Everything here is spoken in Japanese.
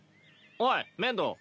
おい面堂。